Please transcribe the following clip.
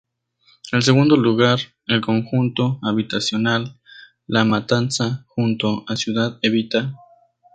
En segundo lugar, el Conjunto Habitacional La Matanza, junto a Ciudad Evita.